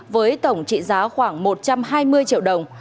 với tổng trị giá khoảng một trăm hai mươi triệu đồng